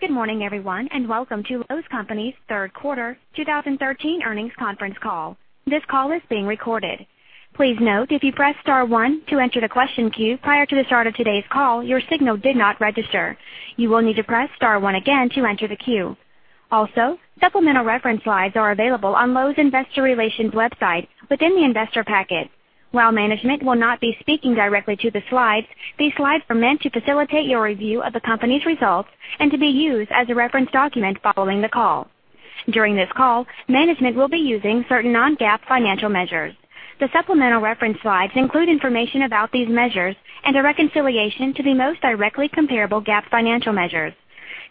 Good morning, everyone, and welcome to Lowe's Companies third quarter 2013 earnings conference call. This call is being recorded. Please note, if you pressed star one to enter the question queue prior to the start of today’s call, your signal did not register. You will need to press star one again to enter the queue. Also, supplemental reference slides are available on Lowe's investor relations website within the investor packet. While management will not be speaking directly to the slides, these slides are meant to facilitate your review of the company’s results and to be used as a reference document following the call. During this call, management will be using certain non-GAAP financial measures. The supplemental reference slides include information about these measures and a reconciliation to the most directly comparable GAAP financial measures.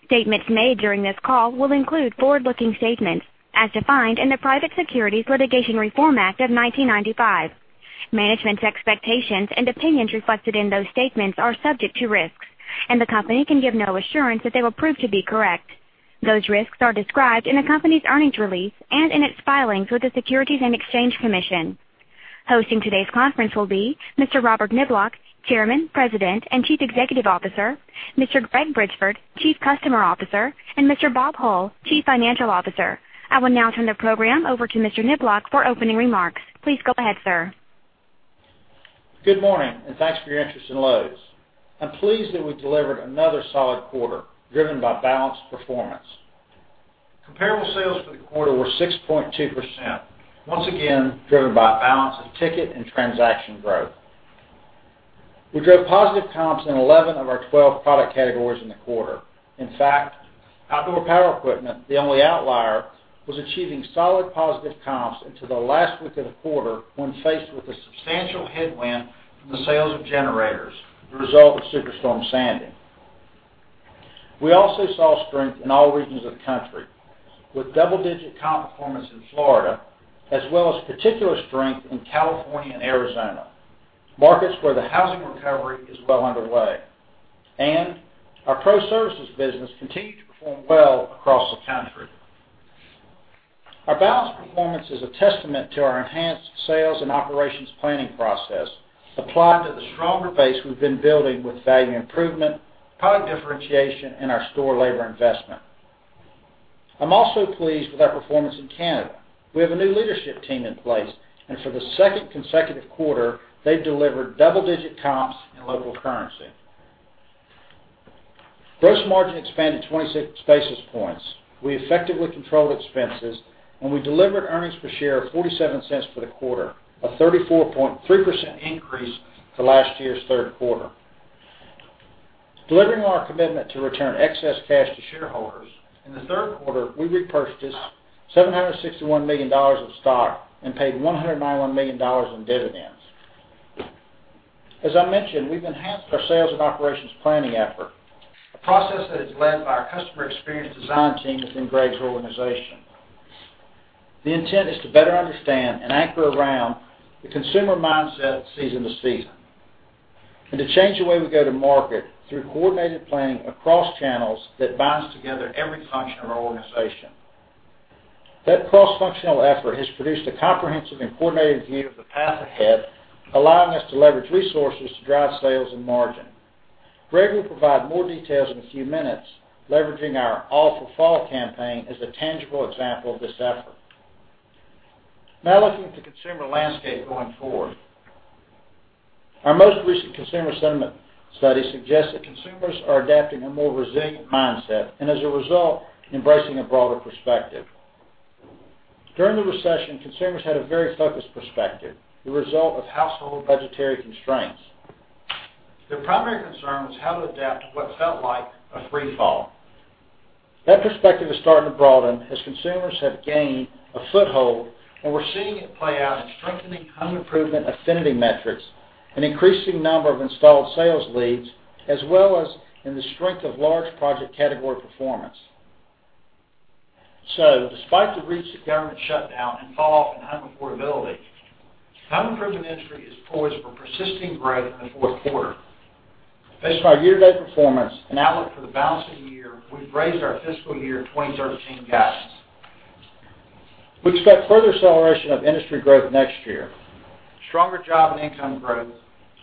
Statements made during this call will include forward-looking statements, as defined in the Private Securities Litigation Reform Act of 1995. Management’s expectations and opinions reflected in those statements are subject to risks, and the company can give no assurance that they will prove to be correct. Those risks are described in the company’s earnings release and in its filings with the Securities and Exchange Commission. Hosting today’s conference will be Mr. Robert Niblock, Chairman, President, and Chief Executive Officer, Mr. Greg Bridgeford, Chief Customer Officer, and Mr. Bob Hull, Chief Financial Officer. I will now turn the program over to Mr. Niblock for opening remarks. Please go ahead, sir. Good morning, thanks for your interest in Lowe's. I’m pleased that we delivered another solid quarter, driven by balanced performance. Comparable sales for the quarter were 6.2%, once again driven by a balance of ticket and transaction growth. We drove positive comps in 11 of our 12 product categories in the quarter. In fact, outdoor power equipment, the only outlier, was achieving solid positive comps into the last week of the quarter when faced with a substantial headwind from the sales of generators, the result of Superstorm Sandy. We also saw strength in all regions of the country, with double-digit comp performance in Florida, as well as particular strength in California and Arizona, markets where the housing recovery is well underway. Our pro services business continued to perform well across the country. Our balanced performance is a testament to our enhanced sales and operations planning process, applied to the stronger base we’ve been building with value improvement, product differentiation, and our store labor investment. I’m also pleased with our performance in Canada. We have a new leadership team in place, for the second consecutive quarter, they’ve delivered double-digit comps in local currency. Gross margin expanded 26 basis points. We effectively controlled expenses, we delivered earnings per share of $0.47 for the quarter, a 34.3% increase to last year’s third quarter. Delivering on our commitment to return excess cash to shareholders, in the third quarter, we repurchased $761 million of stock and paid $191 million in dividends. As I mentioned, we’ve enhanced our sales and operations planning effort, a process that is led by our customer experience design team within Greg's organization. The intent is to better understand and anchor around the consumer mindset season to season and to change the way we go to market through coordinated planning across channels that binds together every function of our organization. That cross-functional effort has produced a comprehensive and coordinated view of the path ahead, allowing us to leverage resources to drive sales and margin. Greg will provide more details in a few minutes, leveraging our All for Fall campaign as a tangible example of this effort. Now looking to consumer landscape going forward. Our most recent consumer sentiment study suggests that consumers are adapting a more resilient mindset and, as a result, embracing a broader perspective. During the recession, consumers had a very focused perspective, the result of household budgetary constraints. Their primary concern was how to adapt to what felt like a free fall. That perspective is starting to broaden as consumers have gained a foothold, and we’re seeing it play out in strengthening home improvement affinity metrics, an increasing number of installed sales leads, as well as in the strength of large project category performance. Despite the recent government shutdown and falloff in home affordability, home improvement industry is poised for persisting growth in the fourth quarter. Based on our year-to-date performance and outlook for the balance of the year, we’ve raised our fiscal year 2013 guidance. We expect further acceleration of industry growth next year. Stronger job and income growth,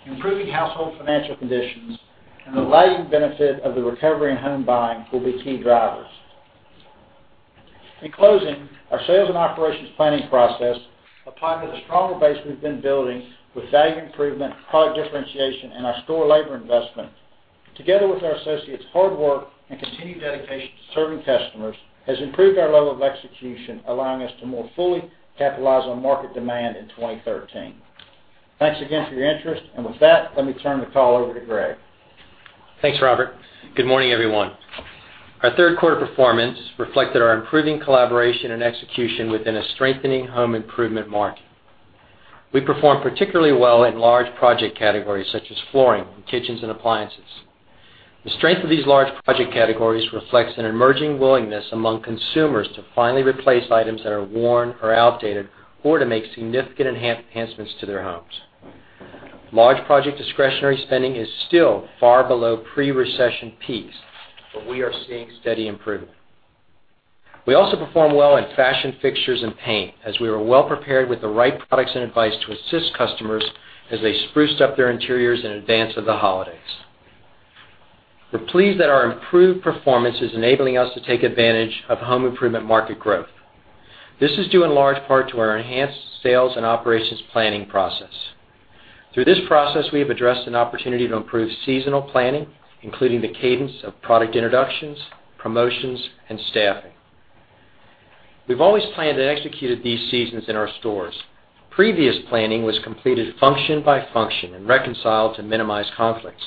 improving household financial conditions, and the lagging benefit of the recovery in home buying will be key drivers. In closing, our sales and operations planning process, applied to the stronger base we’ve been building with value improvement, product differentiation, and our store labor investment, together with our associates’ hard work and continued dedication to serving customers, has improved our level of execution, allowing us to more fully capitalize on market demand in 2013. Thanks again for your interest, with that, let me turn the call over to Greg. Thanks, Robert. Good morning, everyone. Our third quarter performance reflected our improving collaboration and execution within a strengthening home improvement market. We performed particularly well in large project categories such as flooring, kitchens, and appliances. The strength of these large project categories reflects an emerging willingness among consumers to finally replace items that are worn or outdated or to make significant enhancements to their homes. Large project discretionary spending is still far below pre-recession peaks, we are seeing steady improvement. We also performed well in fashion fixtures and paint, as we were well-prepared with the right products and advice to assist customers as they spruced up their interiors in advance of the holidays. We're pleased that our improved performance is enabling us to take advantage of home improvement market growth. This is due in large part to our enhanced sales and operations planning process. Through this process, we have addressed an opportunity to improve seasonal planning, including the cadence of product introductions, promotions, and staffing. We've always planned and executed these seasons in our stores. Previous planning was completed function by function and reconciled to minimize conflicts.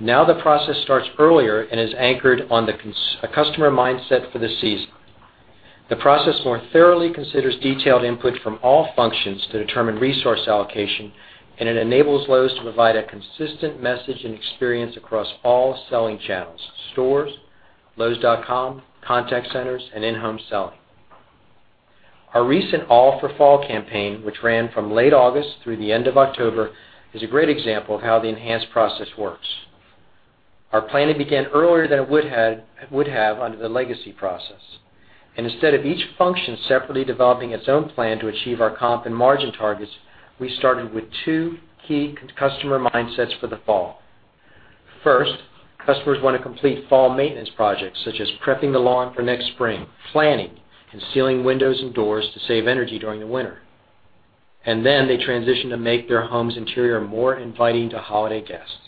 Now, the process starts earlier and is anchored on a customer mindset for the season. The process more thoroughly considers detailed input from all functions to determine resource allocation, and it enables Lowe's to provide a consistent message and experience across all selling channels, stores, lowes.com, contact centers, and in-home selling. Our recent All for Fall campaign, which ran from late August through the end of October, is a great example of how the enhanced process works. Our planning began earlier than it would have under the legacy process. Instead of each function separately developing its own plan to achieve our comp and margin targets, we started with two key customer mindsets for the fall. First, customers want to complete fall maintenance projects, such as prepping the lawn for next spring, planning and sealing windows and doors to save energy during the winter. Then they transition to make their home's interior more inviting to holiday guests.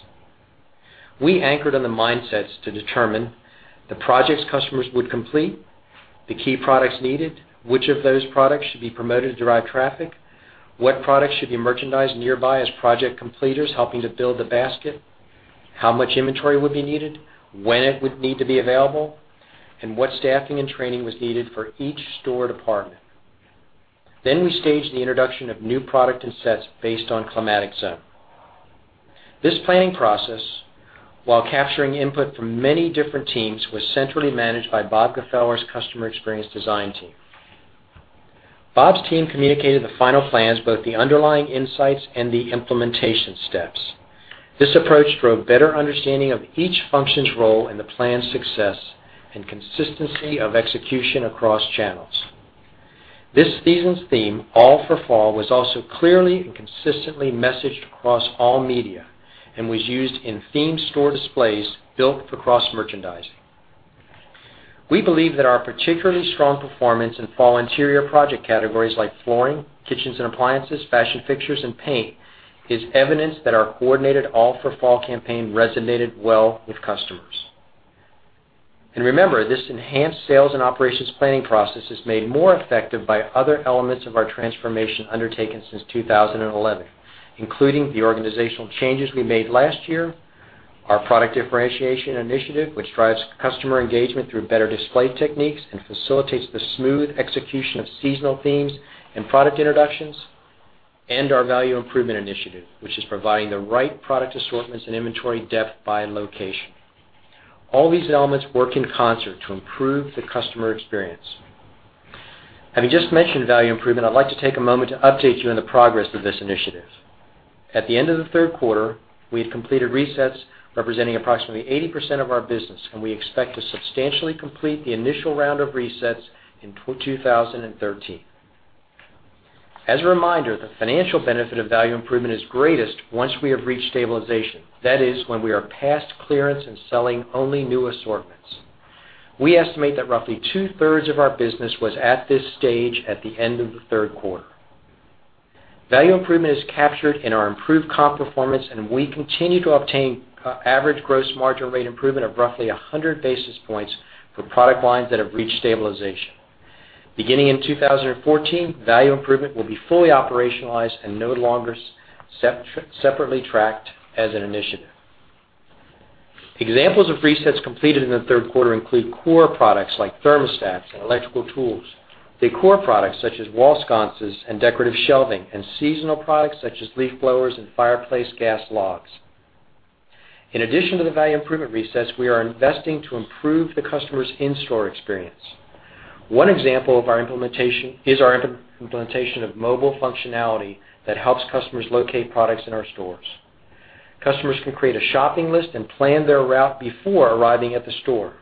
We anchored on the mindsets to determine the projects customers would complete, the key products needed, which of those products should be promoted to drive traffic, what products should be merchandised nearby as project completers helping to build the basket, how much inventory would be needed, when it would need to be available, and what staffing and training was needed for each store department. We staged the introduction of new product and sets based on climatic zone. This planning process, while capturing input from many different teams, was centrally managed by Bob Gfeller's customer experience design team. Bob's team communicated the final plans, both the underlying insights and the implementation steps. This approach drove better understanding of each function's role in the plan's success and consistency of execution across channels. This season's theme, All for Fall, was also clearly and consistently messaged across all media and was used in themed store displays built for cross-merchandising. We believe that our particularly strong performance in fall interior project categories like flooring, kitchens and appliances, fashion fixtures, and paint is evidence that our coordinated All for Fall campaign resonated well with customers. Remember, this enhanced sales and operations planning process is made more effective by other elements of our transformation undertaken since 2011, including the organizational changes we made last year, our product differentiation initiative, which drives customer engagement through better display techniques and facilitates the smooth execution of seasonal themes and product introductions, and our value improvement initiative, which is providing the right product assortments and inventory depth by location. All these elements work in concert to improve the customer experience. Having just mentioned value improvement, I'd like to take a moment to update you on the progress of this initiative. At the end of the third quarter, we had completed resets representing approximately 80% of our business, and we expect to substantially complete the initial round of resets in 2013. As a reminder, the financial benefit of value improvement is greatest once we have reached stabilization. That is when we are past clearance and selling only new assortments. We estimate that roughly two-thirds of our business was at this stage at the end of the third quarter. Value improvement is captured in our improved comp performance, and we continue to obtain average gross margin rate improvement of roughly 100 basis points for product lines that have reached stabilization. Beginning in 2014, value improvement will be fully operationalized and no longer separately tracked as an initiative. Examples of resets completed in the third quarter include core products like thermostats and electrical tools, decor products such as wall sconces and decorative shelving, and seasonal products such as leaf blowers and fireplace gas logs. In addition to the value improvement resets, we are investing to improve the customer's in-store experience. One example is our implementation of mobile functionality that helps customers locate products in our stores. Customers can create a shopping list and plan their route before arriving at the store.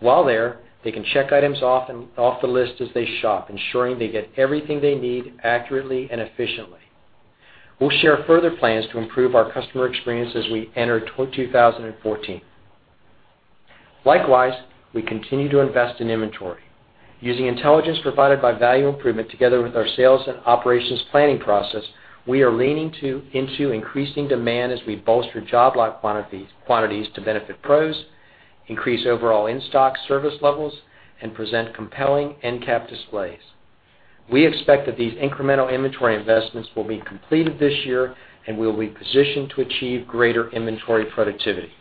While there, they can check items off the list as they shop, ensuring they get everything they need accurately and efficiently. We'll share further plans to improve our customer experience as we enter 2014. Likewise, we continue to invest in inventory. Using intelligence provided by value improvement together with our sales and operations planning process, we are leaning into increasing demand as we bolster job lot quantities to benefit pros, increase overall in-stock service levels, and present compelling end cap displays. We expect that these incremental inventory investments will be completed this year and we'll be positioned to achieve greater inventory productivity.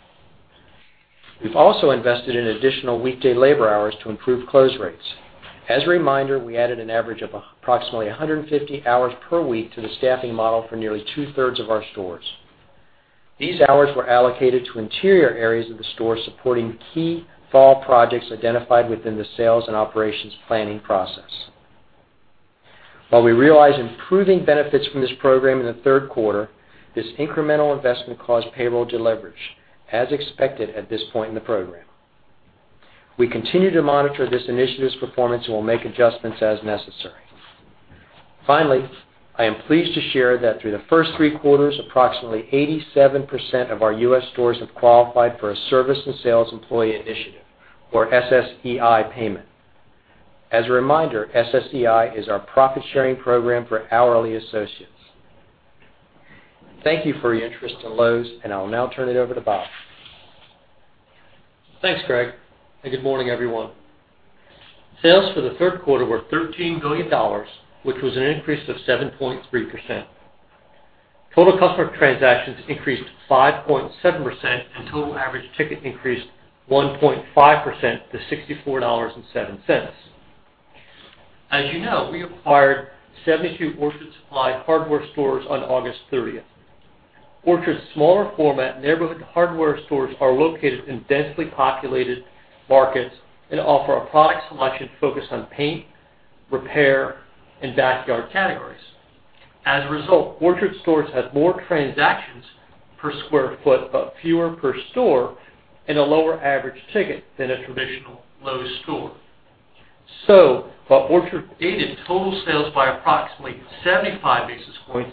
We've also invested in additional weekday labor hours to improve close rates. As a reminder, we added an average of approximately 150 hours per week to the staffing model for nearly two-thirds of our stores. These hours were allocated to interior areas of the store supporting key fall projects identified within the sales and operations planning process. While we realize improving benefits from this program in the third quarter, this incremental investment caused payroll deleverage, as expected at this point in the program. We continue to monitor this initiative's performance and will make adjustments as necessary. Finally, I am pleased to share that through the first three quarters, approximately 87% of our U.S. stores have qualified for a service and sales employee initiative, or SSEI payment. As a reminder, SSEI is our profit-sharing program for hourly associates. Thank you for your interest in Lowe's, and I'll now turn it over to Bob. Thanks, Greg, and good morning, everyone. Sales for the third quarter were $13 billion, which was an increase of 7.3%. Total customer transactions increased 5.7% and total average ticket increased 1.5% to $64.07. As you know, we acquired 72 Orchard Supply Hardware stores on August 30th. Orchard's smaller format neighborhood hardware stores are located in densely populated markets and offer a product selection focused on paint, repair, and backyard categories. As a result, Orchard stores had more transactions per square foot but fewer per store and a lower average ticket than a traditional Lowe's store. While Orchard aided total sales by approximately 75 basis points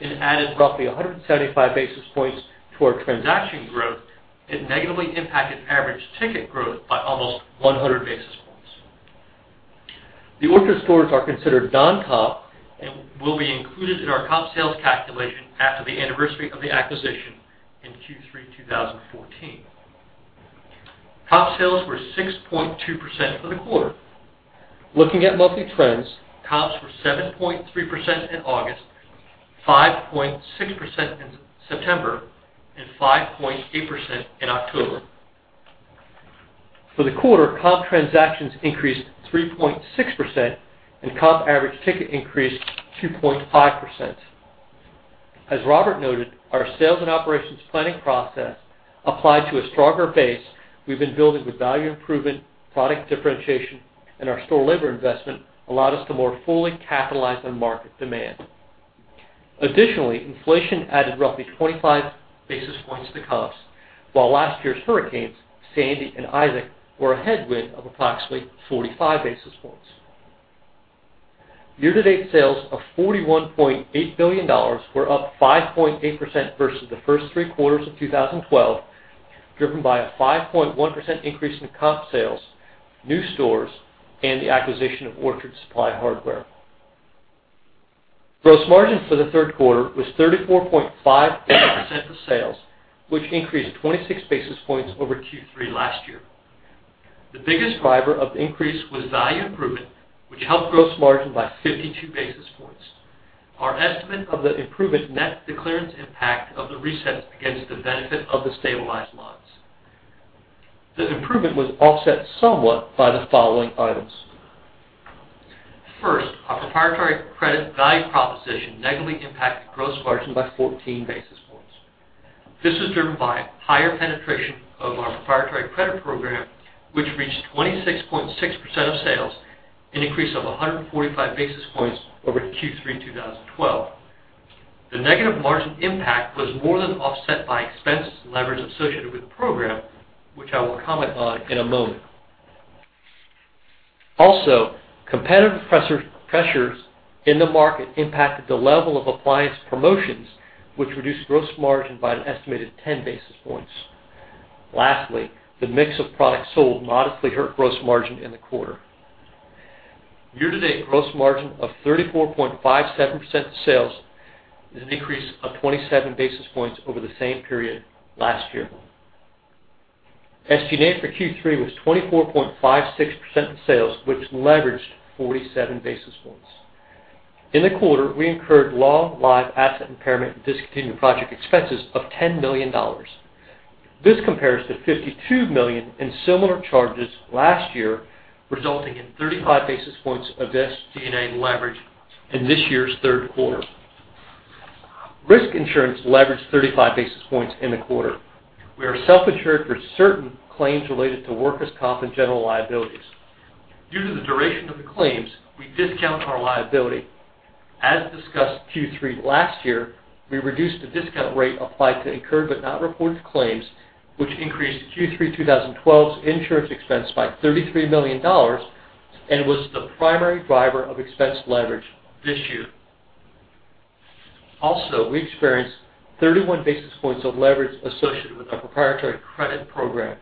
and added roughly 175 basis points to our transaction growth, it negatively impacted average ticket growth by almost 100 basis points. The Orchard stores are considered non-comp and will be included in our comp sales calculation after the anniversary of the acquisition in Q3 2014. Comp sales were 6.2% for the quarter. Looking at monthly trends, comps were 7.3% in August, 5.6% in September, and 5.8% in October. For the quarter, comp transactions increased 3.6% and comp average ticket increased 2.5%. As Robert noted, our sales and operations planning process applied to a stronger base we've been building with value improvement, product differentiation, and our store labor investment allowed us to more fully capitalize on market demand. Additionally, inflation added roughly 25 basis points to comps, while last year's hurricanes, Sandy and Isaac, were a headwind of approximately 45 basis points. Year-to-date sales of $41.8 billion were up 5.8% versus the first three quarters of 2012, driven by a 5.1% increase in comp sales, new stores, and the acquisition of Orchard Supply Hardware. Gross margin for the third quarter was 34.5% of sales, which increased 26 basis points over Q3 last year. The biggest driver of the increase was value improvement, which helped gross margin by 52 basis points. Our estimate of the improvement net the clearance impact of the resets against the benefit of the stabilized lots. The improvement was offset somewhat by the following items. First, our proprietary credit value proposition negatively impacted gross margin by 14 basis points. This was driven by higher penetration of our proprietary credit program, which reached 26.6% of sales, an increase of 145 basis points over Q3 2012. The negative margin impact was more than offset by expense leverage associated with the program, which I will comment on in a moment. Also, competitive pressures in the market impacted the level of appliance promotions, which reduced gross margin by an estimated 10 basis points. Lastly, the mix of products sold modestly hurt gross margin in the quarter. Year-to-date gross margin of 34.57% of sales is a decrease of 27 basis points over the same period last year. SG&A for Q3 was 24.56% of sales, which leveraged 47 basis points. In the quarter, we incurred long-lived asset impairment and discontinued project expenses of $10 million. This compares to $52 million in similar charges last year, resulting in 35 basis points of SG&A leverage in this year's third quarter. Risk insurance leveraged 35 basis points in the quarter. We are self-insured for certain claims related to workers' comp and general liabilities. Due to the duration of the claims, we discount our liability. As discussed Q3 last year, we reduced the discount rate applied to incurred but not reported claims, which increased Q3 2012's insurance expense by $33 million and was the primary driver of expense leverage this year. Also, we experienced 31 basis points of leverage associated with our proprietary credit program.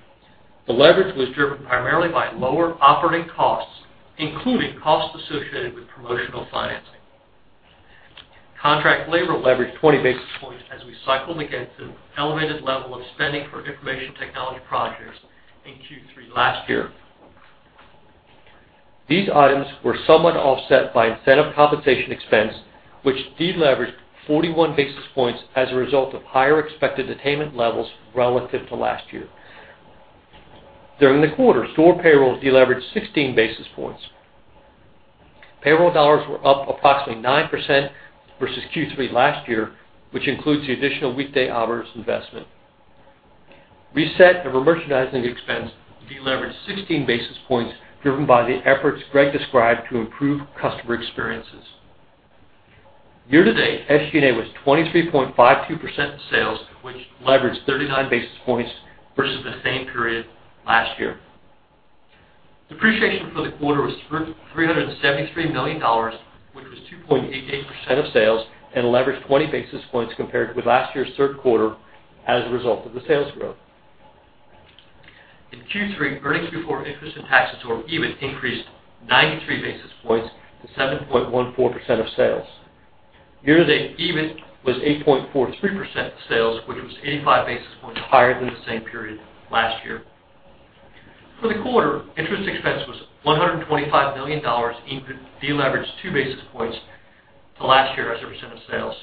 The leverage was driven primarily by lower operating costs, including costs associated with promotional financing. Contract labor leveraged 20 basis points as we cycled against an elevated level of spending for information technology projects in Q3 last year. These items were somewhat offset by incentive compensation expense, which deleveraged 41 basis points as a result of higher expected attainment levels relative to last year. During the quarter, store payrolls deleveraged 16 basis points. Payroll dollars were up approximately 9% versus Q3 last year, which includes the additional weekday hours investment. Reset remerchandising expense deleveraged 16 basis points driven by the efforts Greg described to improve customer experiences. Year-to-date, SG&A was 23.52% sales, which leveraged 39 basis points versus the same period last year. Depreciation for the quarter was $373 million, which was 2.88% of sales and leveraged 20 basis points compared with last year's third quarter as a result of the sales growth. In Q3, earnings before interest and taxes or EBIT increased 93 basis points to 7.14% of sales. Year-to-date EBIT was 8.43% sales, which was 85 basis points higher than the same period last year. For the quarter, interest expense was $125 million, including deleveraged two basis points to last year as a percent of sales.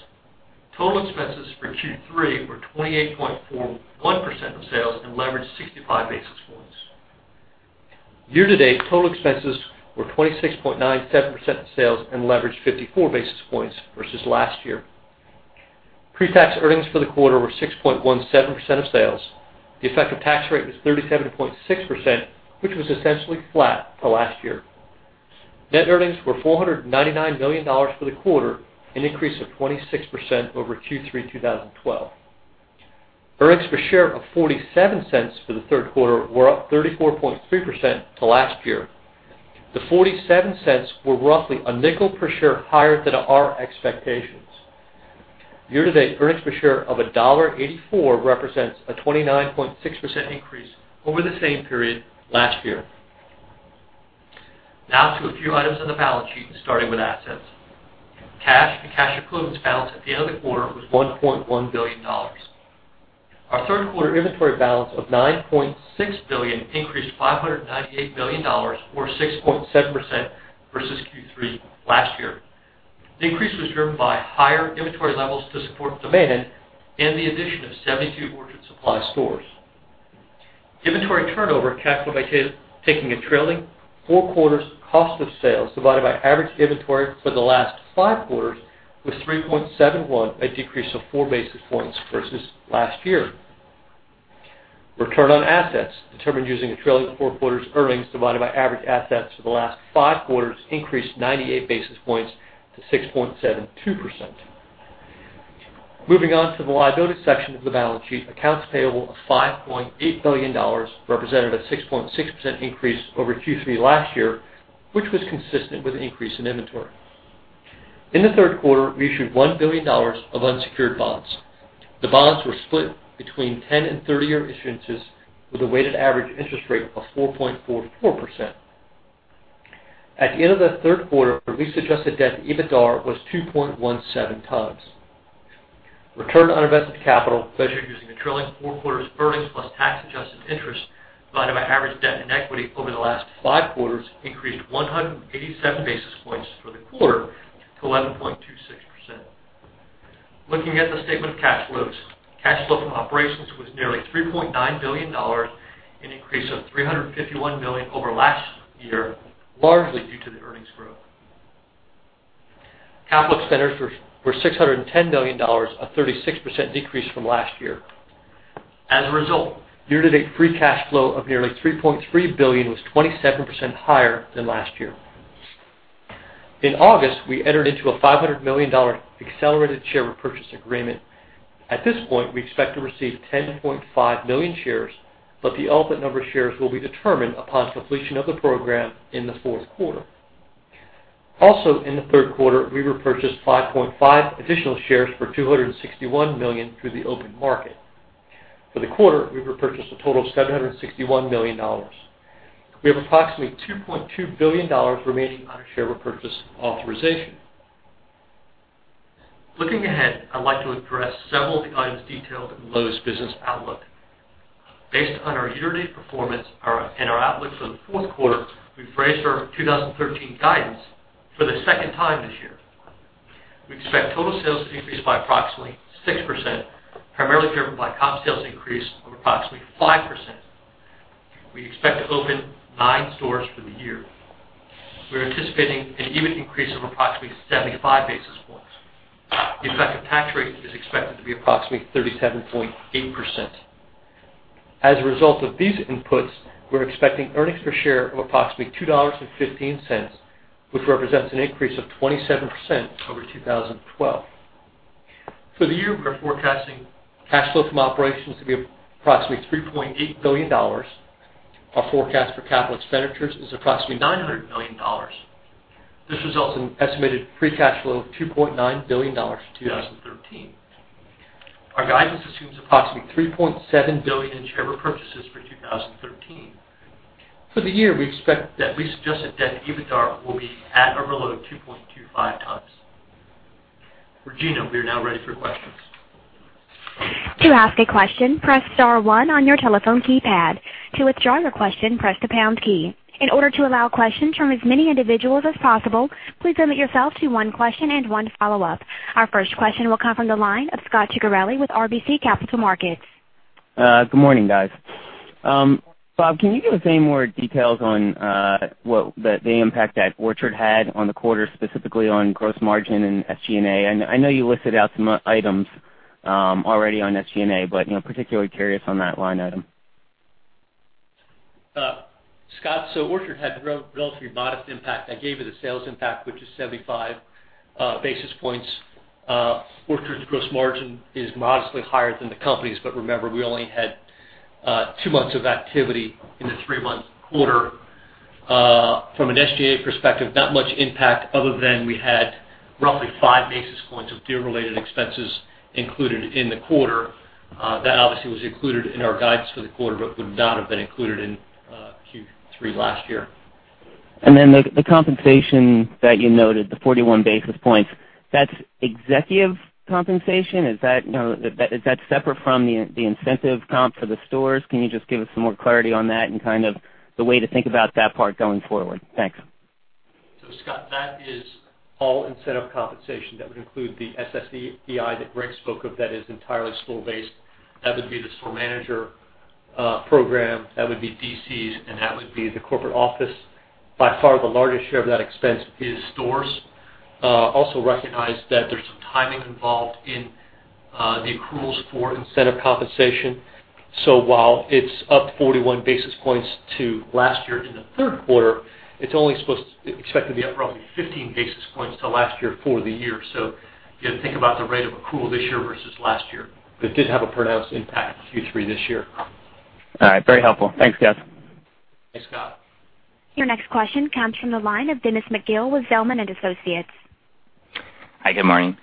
Total expenses for Q3 were 28.41% of sales and leveraged 65 basis points. Year-to-date total expenses were 26.97% of sales and leveraged 54 basis points versus last year. Pre-tax earnings for the quarter were 6.17% of sales. The effective tax rate was 37.6%, which was essentially flat to last year. Net earnings were $499 million for the quarter, an increase of 26% over Q3 2012. Earnings per share of $0.47 for the third quarter were up 34.3% to last year. The $0.47 were roughly a nickel per share higher than our expectations. Year-to-date earnings per share of $1.84 represents a 29.6% increase over the same period last year. To a few items on the balance sheet, starting with assets. Cash and cash equivalents balance at the end of the quarter was $1.1 billion. Our third quarter inventory balance of $9.6 billion increased $598 million, or 6.7%, versus Q3 last year. The increase was driven by higher inventory levels to support demand and the addition of 72 Orchard Supply stores. Inventory turnover, calculated by taking a trailing four quarters cost of sales divided by average inventory for the last five quarters, was 3.71, a decrease of four basis points versus last year. Return on assets determined using a trailing four quarters earnings divided by average assets for the last five quarters increased 98 basis points to 6.72%. Moving on to the liabilities section of the balance sheet. Accounts payable of $5.8 billion represented a 6.6% increase over Q3 last year, which was consistent with the increase in inventory. In the third quarter, we issued $1 billion of unsecured bonds. The bonds were split between 10 and 30-year issuances with a weighted average interest rate of 4.44%. At the end of the third quarter, our lease-adjusted debt, EBITDAR, was 2.17 times. Return on invested capital, measured using the trailing four quarters earnings plus tax adjusted interest divided by average debt and equity over the last five quarters increased 187 basis points for the quarter to 11.26%. Looking at the statement of cash flows. Cash flow from operations was nearly $3.9 billion, an increase of $351 million over last year, largely due to the earnings growth. Capital expenditures were $610 million, a 36% decrease from last year. As a result, year-to-date free cash flow of nearly $3.3 billion was 27% higher than last year. In August, we entered into a $500 million accelerated share repurchase agreement. At this point, we expect to receive 10.5 million shares, but the ultimate number of shares will be determined upon completion of the program in the fourth quarter. Also in the third quarter, we repurchased 5.5 additional shares for $261 million through the open market. For the quarter, we repurchased a total of $761 million. We have approximately $2.2 billion remaining on our share repurchase authorization. Looking ahead, I'd like to address several of the items detailed in Lowe's business outlook. Based on our year-to-date performance and our outlook for the fourth quarter, we've raised our 2013 guidance for the second time this year. We expect total sales to increase by approximately 6%, primarily driven by comp sales increase of approximately 5%. We expect to open nine stores for the year. We are anticipating an EBIT increase of approximately 75 basis points. The effective tax rate is expected to be approximately 37.8%. As a result of these inputs, we're expecting earnings per share of approximately $2.15, which represents an increase of 27% over 2012. For the year, we are forecasting cash flow from operations to be approximately $3.8 billion. Our forecast for capital expenditures is approximately $900 million. This results in estimated free cash flow of $2.9 billion in 2013. Our guidance assumes approximately $3.7 billion in share repurchases for 2013. For the year, we expect that lease-adjusted debt EBITDAR will be at or below 2.25 times. Regina, we are now ready for questions. To ask a question, press star one on your telephone keypad. To withdraw your question, press the pound key. In order to allow questions from as many individuals as possible, please limit yourself to one question and one follow-up. Our first question will come from the line of Scot Ciccarelli with RBC Capital Markets. Good morning, guys. Bob, can you give us any more details on the impact that Orchard had on the quarter, specifically on gross margin and SG&A? I know you listed out some items already on SG&A, but particularly curious on that line item. Scot, Orchard had a relatively modest impact. I gave you the sales impact, which is 75 basis points. Orchard's gross margin is modestly higher than the company's, but remember, we only had two months of activity in the three-month quarter. From an SG&A perspective, not much impact other than we had roughly five basis points of deal-related expenses included in the quarter. That obviously was included in our guidance for the quarter but would not have been included in Q3 last year. The compensation that you noted, the 41 basis points, that's executive compensation? Is that separate from the incentive comp for the stores? Can you just give us some more clarity on that and the way to think about that part going forward? Thanks. Scot, that is all incentive compensation. That would include the SSEI that Greg spoke of that is entirely store-based. That would be the store manager program, that would be DCs, and that would be the corporate office. By far, the largest share of that expense is stores. Also recognize that there is some timing involved in the accruals for incentive compensation. While it is up 41 basis points to last year in the third quarter, it is only expected to be up roughly 15 basis points to last year for the year. You have to think about the rate of accrual this year versus last year. That did have a pronounced impact in Q3 this year. All right. Very helpful. Thanks, guys. Thanks, Scot. Your next question comes from the line of Dennis McGill with Zelman & Associates. Hi, good morning.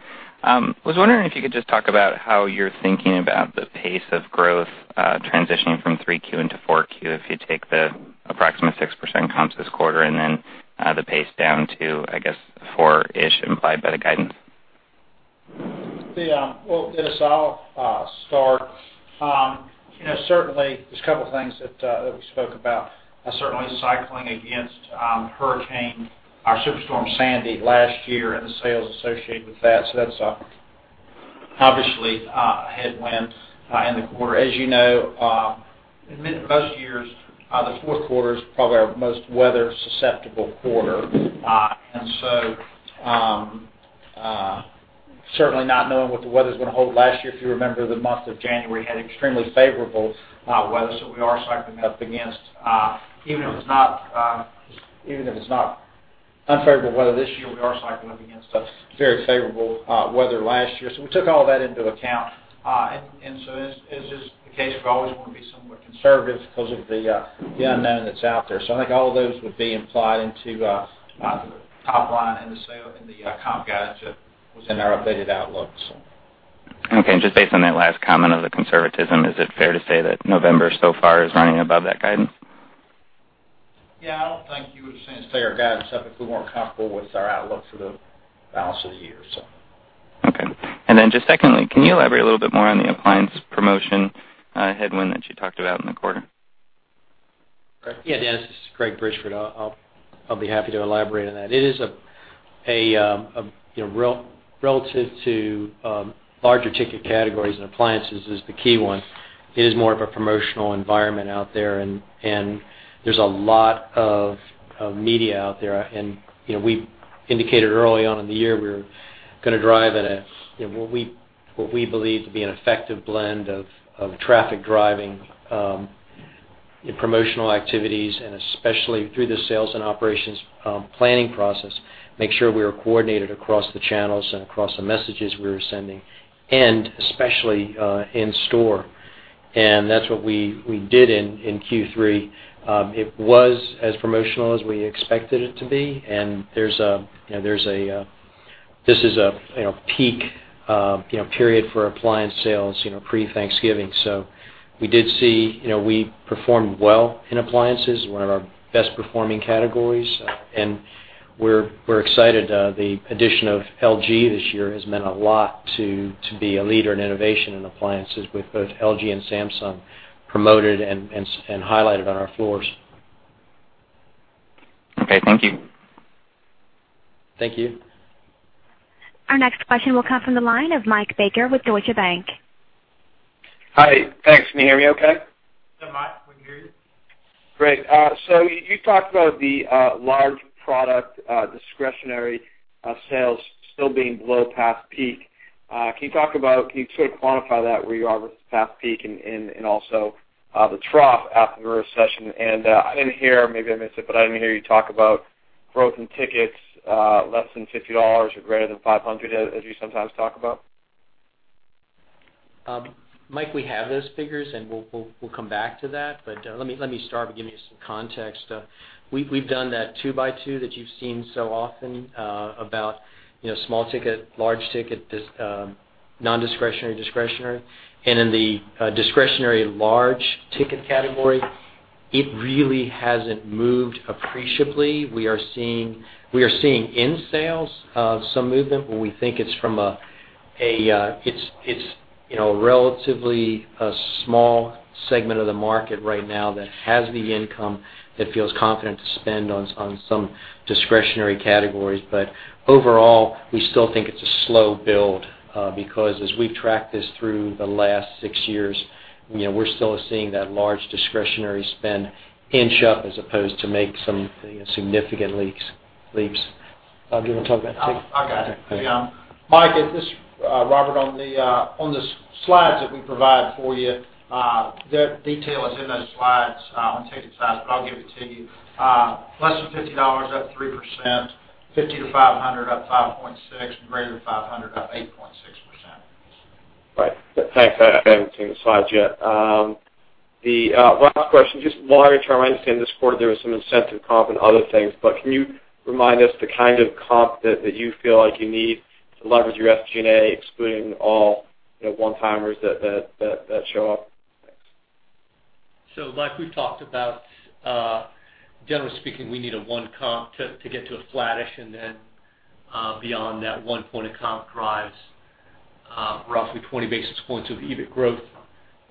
I was wondering if you could just talk about how you're thinking about the pace of growth transitioning from three Q into four Q if you take the approximate 6% comps this quarter and then the pace down to, I guess, four-ish implied by the guidance. Well, Dennis, I'll start. Certainly, there's a couple of things that we spoke about. Certainly, cycling against Hurricane or Superstorm Sandy last year and the sales associated with that. That's obviously a headwind in the quarter. As you know, most years, the fourth quarter is probably our most weather-susceptible quarter. Certainly not knowing what the weather's going to hold. Last year, if you remember, the month of January had extremely favorable weather. We are cycling up against, even if it's not unfavorable weather this year, we are cycling up against that very favorable weather last year. We took all that into account. As is the case, we always want to be somewhat conservative because of the unknown that's out there. I think all of those would be implied into the top line and the comp guidance that was in our updated outlook. Okay, just based on that last comment of the conservatism, is it fair to say that November so far is running above that guidance? Yeah, I don't think you would have seen us take our guidance up if we weren't comfortable with our outlook for the balance of the year. Okay. Just secondly, can you elaborate a little bit more on the appliance promotion headwind that you talked about in the quarter? Yeah, Dennis, this is Greg Bridgeford. I'll be happy to elaborate on that. Relative to larger ticket categories, and appliances is the key one, it is more of a promotional environment out there, and there's a lot of media out there. We indicated early on in the year we were going to drive what we believe to be an effective blend of traffic-driving promotional activities, and especially through the sales and operations planning process, make sure we were coordinated across the channels and across the messages we were sending, and especially in store. That's what we did in Q3. It was as promotional as we expected it to be, and this is a peak period for appliance sales, pre-Thanksgiving. We did see we performed well in appliances, one of our best-performing categories. We're excited. The addition of LG this year has meant a lot to be a leader in innovation in appliances with both LG and Samsung promoted and highlighted on our floors. Okay, thank you. Thank you. Our next question will come from the line of Mike Baker with Deutsche Bank. Hi. Thanks. Can you hear me okay? Yeah, Mike, we can hear you. Great. You talked about the large product discretionary sales still being below past peak. Can you sort of quantify that, where you are with past peak and also the trough after the recession? I didn't hear, maybe I missed it, but I didn't hear you talk about growth in tickets less than $50 or greater than $500 as you sometimes talk about. Mike, we have those figures, and we'll come back to that. Let me start by giving you some context. We've done that two by two that you've seen so often about small ticket, large ticket, non-discretionary, discretionary. In the discretionary large ticket category, it really hasn't moved appreciably. We are seeing in sales some movement, but we think it's relatively a small segment of the market right now that has the income that feels confident to spend on some discretionary categories. Overall, we still think it's a slow build because as we've tracked this through the last six years, we're still seeing that large discretionary spend inch up as opposed to make some significant leaps. Leaps. Do you want to talk about ticket? I got it. Mike, it's Robert. On the slides that we provide for you, that detail is in those slides on ticket size, but I'll give it to you. Less than $50, up 3%, $50 to $500, up 5.6%, and greater than $500, up 8.6%. Thanks. I haven't seen the slides yet. The last question, just while we're trying to understand this quarter, there was some incentive comp and other things, can you remind us the kind of comp that you feel like you need to leverage your SG&A, excluding all one-timers that show up? Thanks. Mike, we've talked about, generally speaking, we need a one comp to get to a flattish, beyond that one point of comp drives roughly 20 basis points of EBIT growth.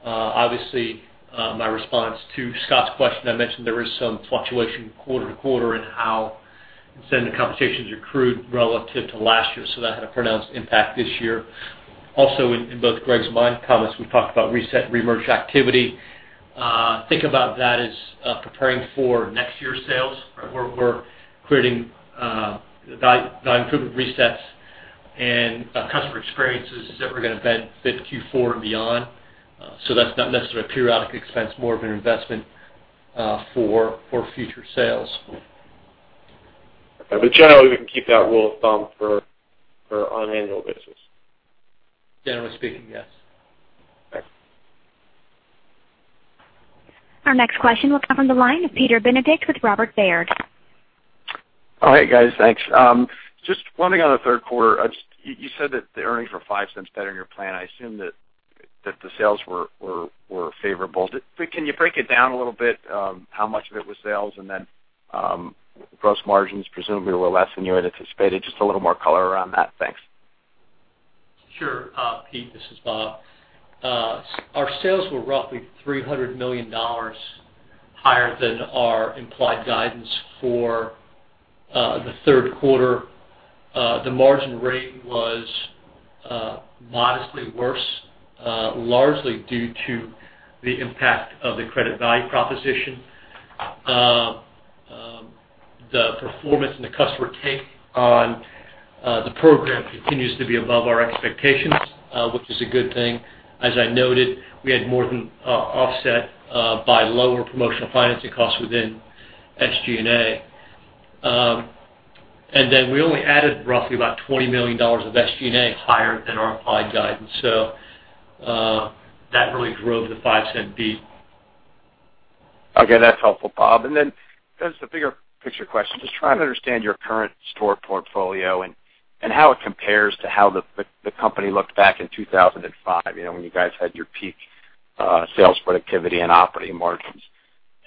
Obviously, my response to Scot's question, I mentioned there is some fluctuation quarter-to-quarter in how incentive compensations accrued relative to last year. That had a pronounced impact this year. Also, in both Greg's and my comments, we talked about reset remerchandising activity. Think about that as preparing for next year's sales. We're creating value improvement resets and customer experiences that we're going to benefit in Q4 and beyond. That's not necessarily a periodic expense, more of an investment for future sales. Generally, we can keep that rule of thumb for on an annual basis. Generally speaking, yes. Thanks. Our next question will come from the line of Peter Benedict with Robert Baird. Oh, hey guys, thanks. Just one thing on the third quarter. You said that the earnings were $0.05 better than your plan. I assume that the sales were favorable. Can you break it down a little bit, how much of it was sales? Gross margins presumably were less than you had anticipated. Just a little more color around that. Thanks. Sure, Pete, this is Bob. Our sales were roughly $300 million higher than our implied guidance for the third quarter. The margin rate was modestly worse, largely due to the impact of the credit value proposition. The performance and the customer take on the program continues to be above our expectations, which is a good thing. As I noted, we had more than offset by lower promotional financing costs within SG&A. We only added roughly about $20 million of SG&A, higher than our applied guidance. That really drove the $0.05 beat. Okay, that's helpful, Bob. As the bigger picture question, just trying to understand your current store portfolio and how it compares to how the company looked back in 2005, when you guys had your peak sales productivity and operating margins.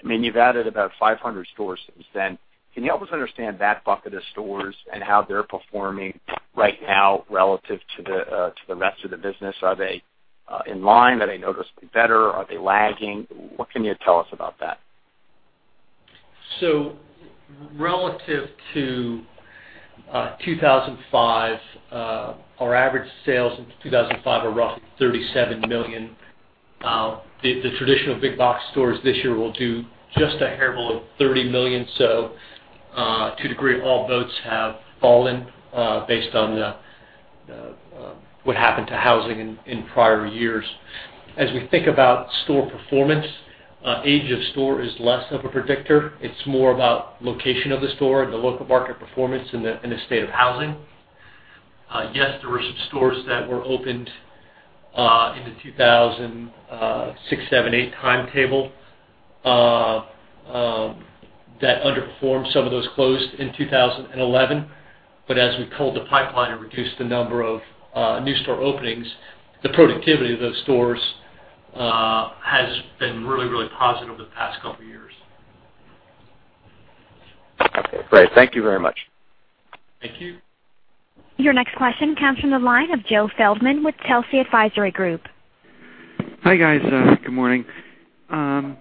You've added about 500 stores since then. Can you help us understand that bucket of stores and how they're performing right now relative to the rest of the business? Are they in line? Are they noticeably better? Are they lagging? What can you tell us about that? Relative to 2005, our average sales in 2005 are roughly $37 million. The traditional big box stores this year will do just a hair below $30 million. To degree, all boats have fallen based on what happened to housing in prior years. As we think about store performance, age of store is less of a predictor. It's more about location of the store and the local market performance and the state of housing. Yes, there were some stores that were opened in the 2006, 2007, 2008 timetable that underperformed. Some of those closed in 2011. As we culled the pipeline and reduced the number of new store openings, the productivity of those stores has been really positive over the past couple of years. Okay, great. Thank you very much. Thank you. Your next question comes from the line of Joe Feldman with Telsey Advisory Group. Hi, guys. Good morning. I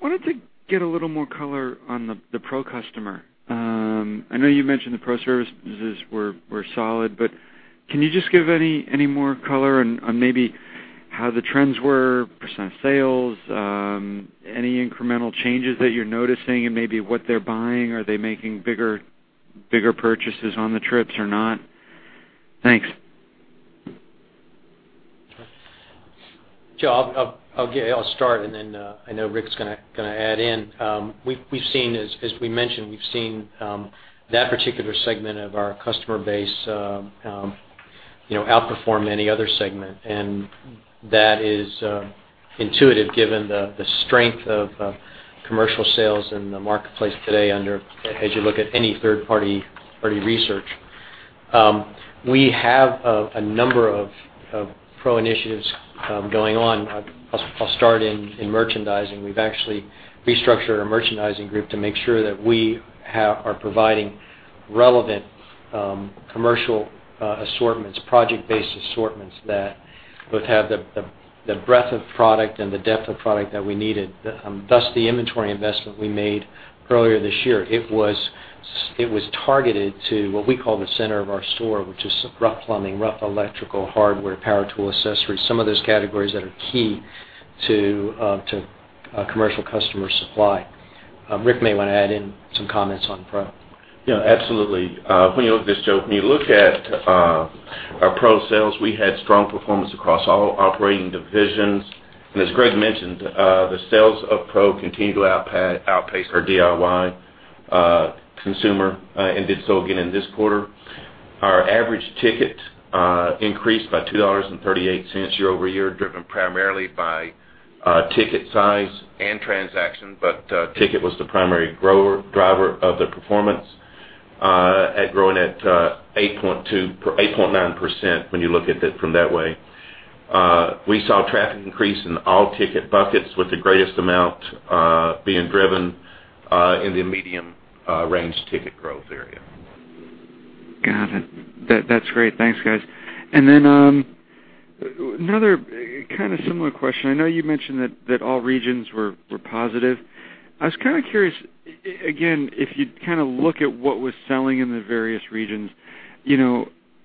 wanted to get a little more color on the pro customer. I know you mentioned the pro services were solid, but can you just give any more color on maybe how the trends were, percent of sales, any incremental changes that you're noticing and maybe what they're buying? Are they making bigger purchases on the trips or not? Thanks. Joe, I'll start, and then I know Rick's going to add in. As we mentioned, we've seen that particular segment of our customer base outperform any other segment, and that is intuitive given the strength of commercial sales in the marketplace today as you look at any third-party research. We have a number of pro initiatives going on. I'll start in merchandising. We've actually restructured our merchandising group to make sure that we are providing relevant commercial assortments, project-based assortments that both have the breadth of product and the depth of product that we needed. Thus, the inventory investment we made earlier this year, it was targeted to what we call the center of our store, which is rough plumbing, rough electrical, hardware, power tool accessories, some of those categories that are key to commercial customer supply. Rick may want to add in some comments on pro. Yeah, absolutely. When you look at this, Joe, when you look at our pro sales, we had strong performance across all operating divisions. As Greg mentioned, the sales of pro continued to outpace our DIY consumer, and did so again in this quarter. Our average ticket increased by $2.38 year-over-year, driven primarily by ticket size and transaction. Ticket was the primary driver of the performance, growing at 8.9% when you look at it from that way. We saw traffic increase in all ticket buckets, with the greatest amount being driven in the medium-range ticket growth area. Got it. That's great. Thanks, guys. Another kind of similar question. I know you mentioned that all regions were positive. I was kind of curious, again, if you look at what was selling in the various regions,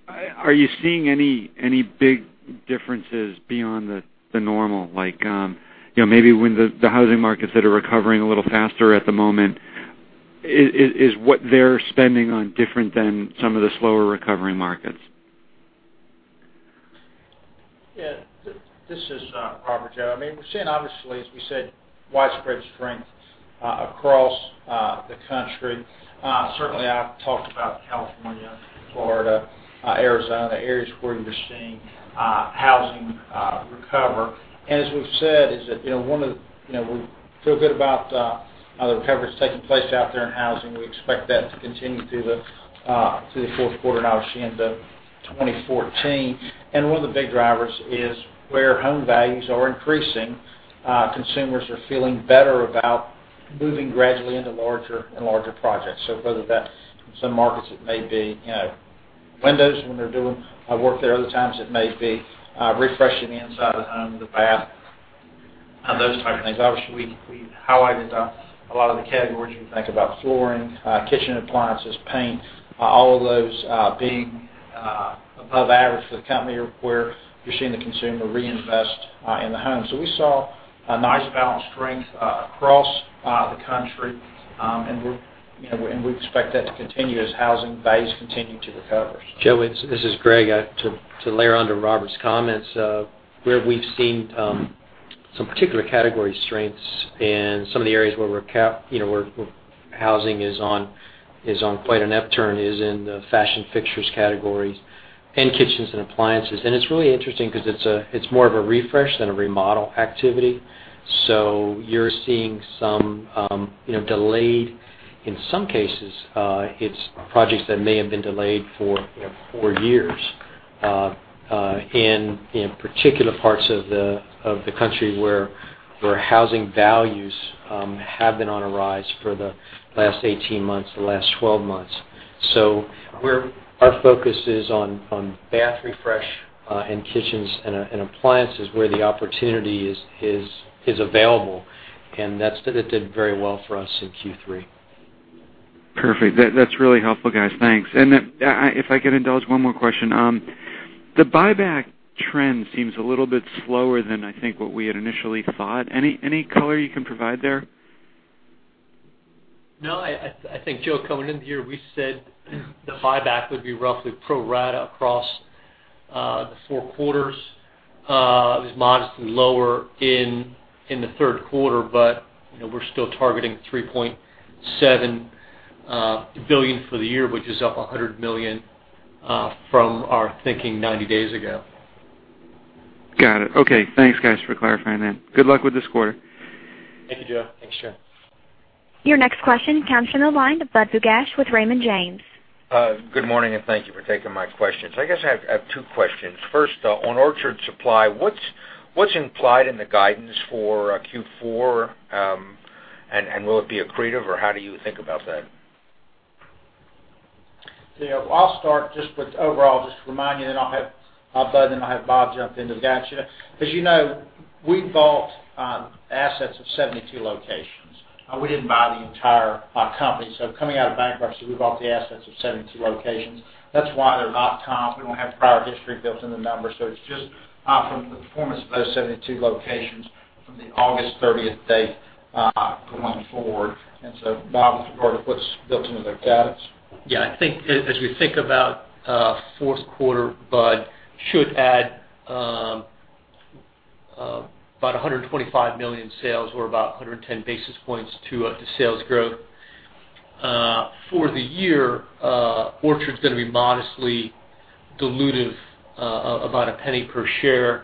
are you seeing any big differences beyond the normal? Like, maybe when the housing markets that are recovering a little faster at the moment, is what they're spending on different than some of the slower recovery markets? Yeah. This is Robert, Joe. We're seeing, obviously, as we said, widespread strength across the country. Certainly, I've talked about California, Florida, Arizona, areas where you're seeing housing recover. As we've said, we feel good about the recovery that's taking place out there in housing. We expect that to continue through the fourth quarter and obviously into 2014. One of the big drivers is where home values are increasing, consumers are feeling better about moving gradually into larger and larger projects. Whether that's some markets, it may be windows when they're doing work there. Other times, it may be refreshing the inside of the home, the bath, those type of things. Obviously, we highlighted a lot of the categories. You think about flooring, kitchen appliances, paint, all of those being above average for the company where you're seeing the consumer reinvest in the home. We saw a nice balanced strength across the country, and we expect that to continue as housing values continue to recover. Joe, this is Greg. To layer onto Robert's comments, where we've seen some particular category strengths and some of the areas where housing is on quite an upturn is in the fashion fixtures categories and kitchens and appliances. It's really interesting because it's more of a refresh than a remodel activity. You're seeing some delayed, in some cases, it's projects that may have been delayed for years, in particular parts of the country where housing values have been on a rise for the last 18 months, the last 12 months. Our focus is on bath refresh and kitchens and appliances where the opportunity is available, and that did very well for us in Q3. Perfect. That's really helpful, guys. Thanks. If I could indulge one more question. The buyback trend seems a little bit slower than I think what we had initially thought. Any color you can provide there? No, I think, Joe, coming into the year, we said the buyback would be roughly pro rata across the four quarters. It was modestly lower in the third quarter, but we're still targeting $3.7 billion for the year, which is up $100 million from our thinking 90 days ago. Got it. Okay. Thanks, guys, for clarifying that. Good luck with this quarter. Thank you, Joe. Thanks[ for sharing]. Your next question comes from the line of Budd Bugatch with Raymond James. Good morning, and thank you for taking my questions. I guess I have two questions. First, on Orchard Supply, what's implied in the guidance for Q4, and will it be accretive, or how do you think about that? Joe, I'll start just with overall, just to remind you, then I'll have Budd, then I'll have Bob jump into the gotcha. We bought assets of 72 locations. We didn't buy the entire company. Coming out of bankruptcy, we bought the assets of 72 locations. That's why they're not comp. We don't have prior history built in the numbers, so it's just from the performance of those 72 locations from the August 30th date, going forward. Bob will talk about what's built into the guidance. I think as we think about fourth quarter, Budd should add about $125 million sales or about 110 basis points to the sales growth. For the year, Orchard's going to be modestly dilutive, about $0.01 per share,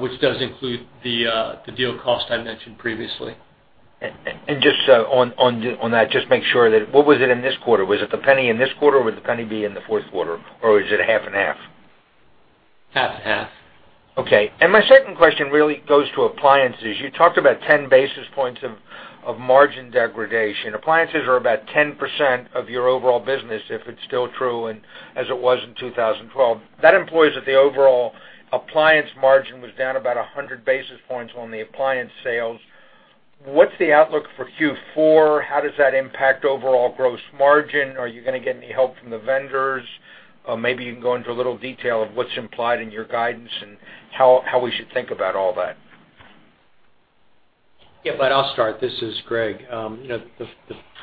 which does include the deal cost I mentioned previously. Just on that, just make sure that, what was it in this quarter? Was it the penny in this quarter, or would the penny be in the fourth quarter, or is it half and half? Half and half. Okay. My second question really goes to appliances. You talked about 10 basis points of margin degradation. Appliances are about 10% of your overall business, if it's still true and as it was in 2012. That implies that the overall appliance margin was down about 100 basis points on the appliance sales. What's the outlook for Q4? How does that impact overall gross margin? Are you going to get any help from the vendors? Maybe you can go into a little detail of what's implied in your guidance and how we should think about all that. Yeah, Budd, I'll start. This is Greg. The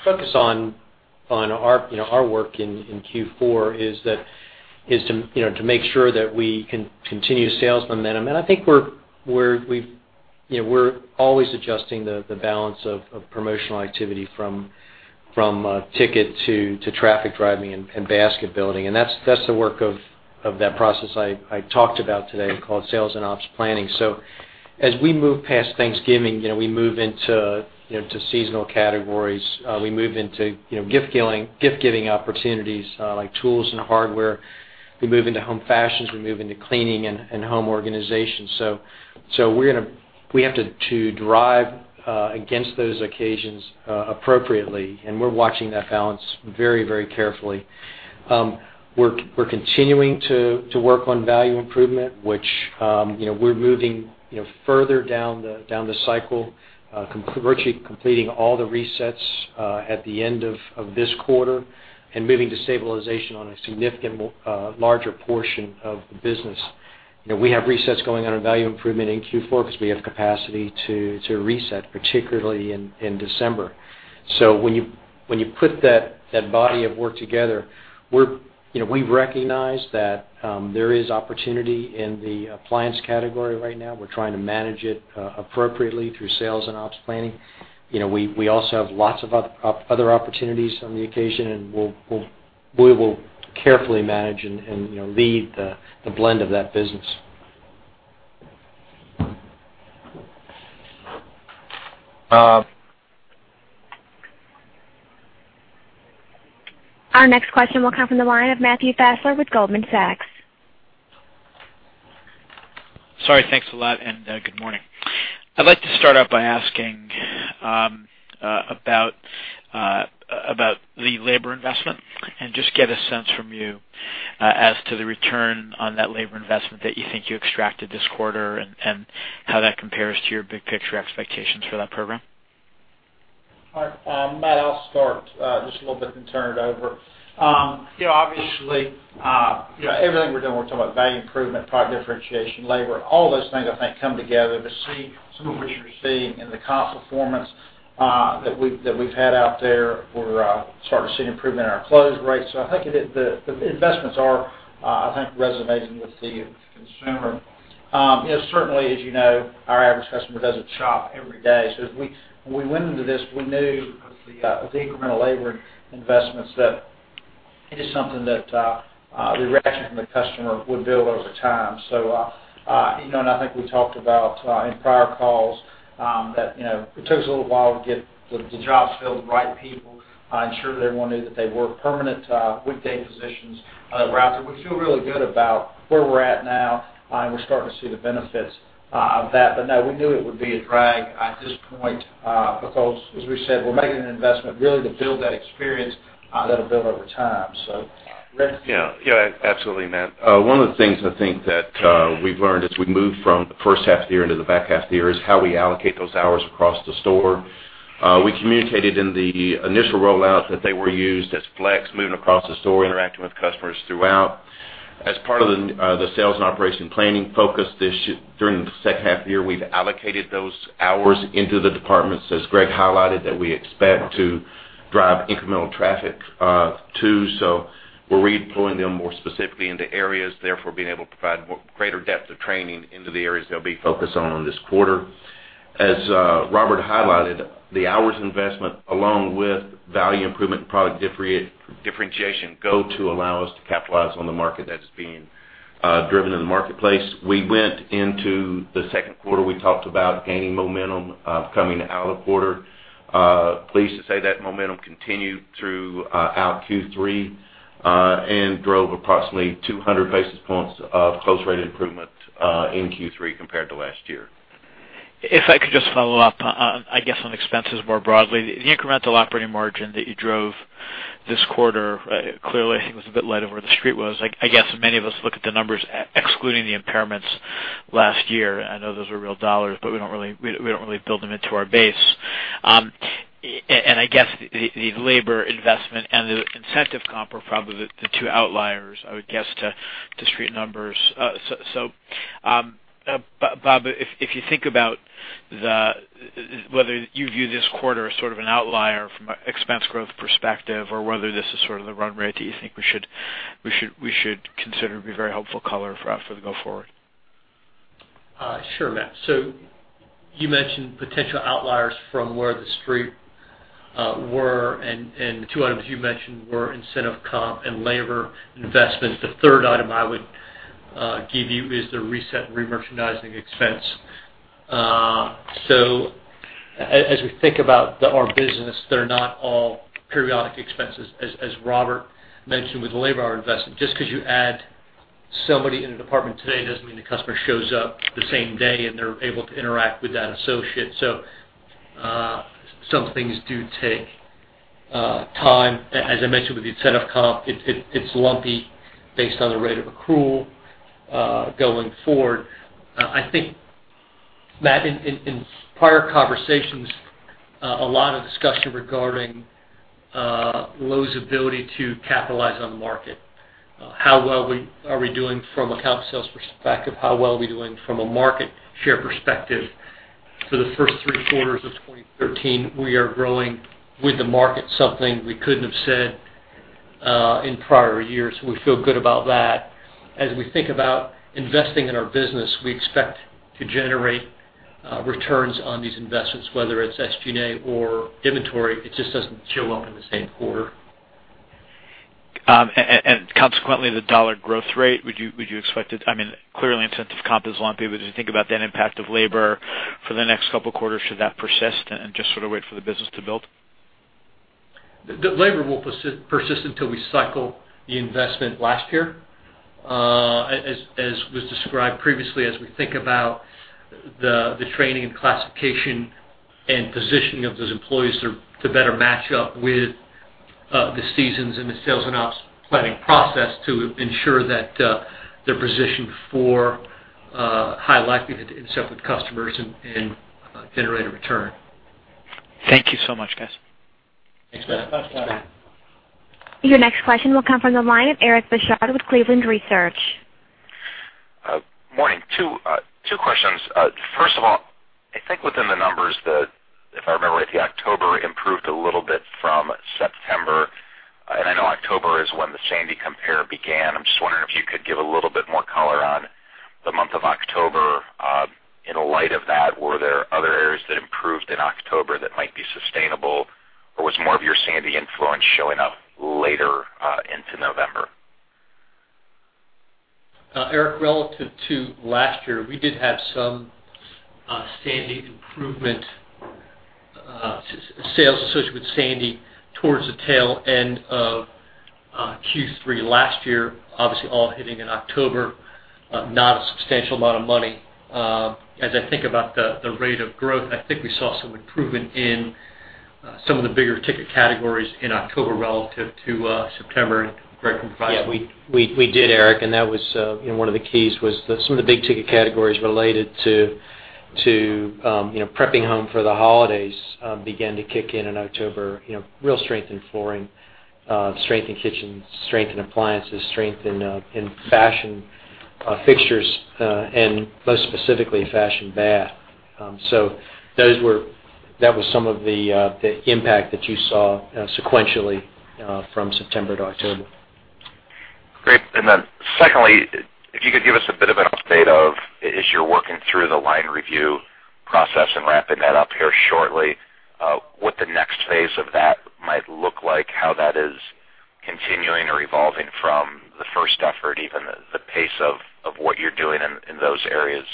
focus on our work in Q4 is to make sure that we continue sales momentum. I think we're always adjusting the balance of promotional activity from ticket to traffic driving and basket building. That's the work of that process I talked about today called sales and ops planning. As we move past Thanksgiving, we move into seasonal categories. We move into gift-giving opportunities, like tools and hardware. We move into home fashions, we move into cleaning and home organization. We have to drive against those occasions appropriately. We're watching that balance very carefully. We're continuing to work on value improvement, which we're moving further down the cycle, virtually completing all the resets at the end of this quarter and moving to stabilization on a significant larger portion of the business. We have resets going on in value improvement in Q4 because we have capacity to reset, particularly in December. When you put that body of work together, we recognize that there is opportunity in the appliance category right now. We're trying to manage it appropriately through sales and ops planning. We also have lots of other opportunities on the occasion, and we will carefully manage and lead the blend of that business. Our next question will come from the line of Matthew Fassler with Goldman Sachs. Sorry, thanks a lot, and good morning. I'd like to start out by asking about the labor investment and just get a sense from you as to the return on that labor investment that you think you extracted this quarter and how that compares to your big picture expectations for that program. Matt, I'll start just a little bit then turn it over. Obviously, everything we're doing, we're talking about value improvement, product differentiation, labor, all those things I think come together to see some of what you're seeing in the comp performance that we've had out there. We're starting to see an improvement in our close rates. I think the investments are resonating with the consumer. Certainly, as you know, our average customer doesn't shop every day. When we went into this, we knew with the incremental labor investments, that it is something that the reaction from the customer would build over time. I think we talked about in prior calls that it took us a little while to get the jobs filled with the right people, ensure that everyone knew that they were permanent weekday positions rather. We feel really good about where we're at now. We're starting to see the benefits of that. No, we knew it would be a drag at this point because, as we said, we're making an investment really to build that experience that'll build over time. Lance? Yeah, absolutely, Matt. One of the things I think that we've learned as we move from the first half of the year into the back half of the year is how we allocate those hours across the store. We communicated in the initial rollout that they were used as flex, moving across the store, interacting with customers throughout. As part of the sales and operation planning focus during the second half of the year, we've allocated those hours into the departments, as Greg highlighted, that we expect to drive incremental traffic to. We're redeploying them more specifically into areas, therefore, being able to provide greater depth of training into the areas they'll be focused on this quarter. As Robert highlighted, the hours investment, along with value improvement and product differentiation, go to allow us to capitalize on the market that is being driven in the marketplace. We went into the second quarter, we talked about gaining momentum coming out of the quarter. Pleased to say that momentum continued throughout Q3 and drove approximately 200 basis points of close rate improvement in Q3 compared to last year. If I could just follow up, I guess, on expenses more broadly. The incremental operating margin that you drove this quarter clearly was a bit light of where the Street was. I guess many of us look at the numbers excluding the impairments last year. I know those are real $, but we don't really build them into our base. I guess the labor investment and the incentive comp are probably the 2 outliers, I would guess, to Street numbers. Bob, if you think about whether you view this quarter as sort of an outlier from an expense growth perspective or whether this is sort of the run rate, do you think we should consider it to be very helpful color for the go forward? Sure, Matt. You mentioned potential outliers from where the Street were. The 2 items you mentioned were incentive comp and labor investments. The 3rd item I would give you is the reset remerchandising expense. As we think about our business, they're not all periodic expenses. As Robert mentioned with the labor hour investment, just because you add somebody in a department today doesn't mean the customer shows up the same day and they're able to interact with that associate. Some things do take time. As I mentioned with the incentive comp, it's lumpy based on the rate of accrual going forward. Matt, in prior conversations, a lot of discussion regarding Lowe's ability to capitalize on the market. How well are we doing from a comp sales perspective? How well are we doing from a market share perspective? For the 1st 3 quarters of 2013, we are growing with the market, something we couldn't have said in prior years. We feel good about that. As we think about investing in our business, we expect to generate returns on these investments, whether it's SG&A or inventory. It just doesn't show up in the same quarter. Consequently, the $ growth rate, would you expect clearly, incentive comp is lumpy, but as you think about that impact of labor for the next 2 quarters, should that persist and just sort of wait for the business to build? The labor will persist until we cycle the investment last year. As was described previously, as we think about the training and classification and positioning of those employees to better match up with the seasons and the sales and ops planning process to ensure that they're positioned for high likelihood to accept with customers and generate a return. Thank you so much, guys. Thanks, Matt. Your next question will come from the line of Eric Bosshard with Cleveland Research. Morning. Two questions. I think within the numbers, if I remember it, October improved a little bit from September. I know October is when the Superstorm Sandy compare began. I'm just wondering if you could give a little bit more color on the month of October. Were there other areas that improved in October that might be sustainable, or was more of your Superstorm Sandy influence showing up later into November? Eric Bosshard, relative to last year, we did have some Superstorm Sandy improvement, sales associated with Superstorm Sandy towards the tail end of Q3 last year, obviously all hitting in October. Not a substantial amount of money. We saw some improvement in some of the bigger ticket categories in October relative to September and Gregory M. Bridgeford can provide- We did, Eric Bosshard, that was one of the keys was some of the big ticket categories related to prepping home for the holidays began to kick in in October. Real strength in flooring, strength in kitchens, strength in appliances, strength in fashion fixtures, and most specifically, fashion bath. That was some of the impact that you saw sequentially from September to October. Great. Secondly, if you could give us a bit of an update of, as you're working through the line review process and wrapping that up here shortly, what the next phase of that might look like, how that is continuing or evolving from the first effort, even the pace of what you're doing in those areas